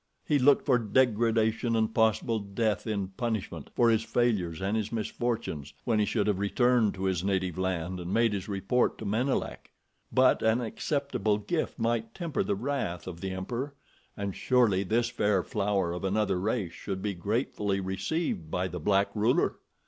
He looked for degradation and possible death in punishment for his failures and his misfortunes when he should have returned to his native land and made his report to Menelek; but an acceptable gift might temper the wrath of the emperor, and surely this fair flower of another race should be gratefully received by the black ruler!